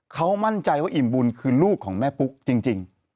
เขามั่นใจว่าอิ่มบุญคือลูกของแม่ปุ๊กจริง